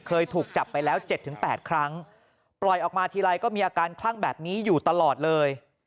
เคยถูกจับไปแล้ว๗๘ครั้งปล่อยออกมาทีไรก็มีอาการคลั่งแบบนี้อยู่ตลอดเลย